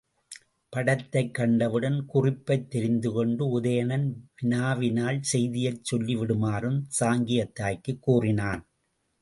படத்தைக் கண்டவுடன் குறிப்பைத் தெரிந்துகொண்டு உதயணன் வினாவினால் செய்தியைச் சொல்லிவிடுமாறும் சாங்கியத் தாய்க்குக் கூறினான்.